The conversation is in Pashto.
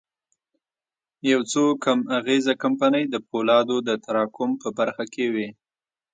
يو څو کم اغېزه کمپنۍ د پولادو د تراکم په برخه کې وې.